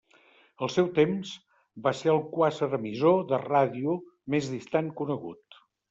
Al seu temps, va ser el quàsar emissor de ràdio més distant conegut.